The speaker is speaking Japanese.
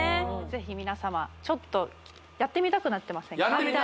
ぜひ皆様ちょっとやってみたくなってませんか？